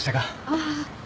ああ。